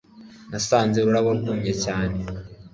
Nasanze ururabo rwumye cyane